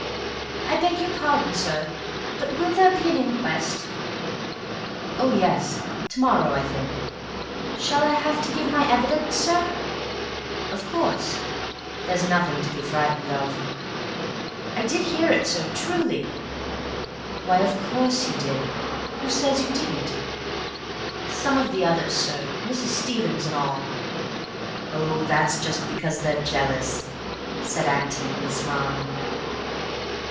"I beg your pardon, sir, but will there be an inquest?" "Oh, yes. To morrow, I think." "Shall I have to give my evidence, sir?" "Of course. There's nothing to be frightened of." "I did hear it, sir. Truly." "Why, of course you did. Who says you didn't?" "Some of the others, sir—Mrs. Stevens and all." "Oh, that's just because they're jealous," said Antony with a smile.